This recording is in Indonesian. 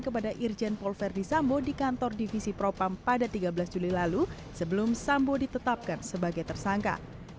setelah memintakan amplop lpd sambu memberi amplop coklat di kantor divisi propam pada tiga belas juli lalu sebelum sambu ditetapkan sebagai tersangka